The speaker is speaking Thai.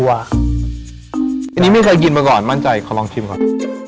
อันนี้ไม่เคยกินมาก่อนมั่นใจขอลองชิมก่อน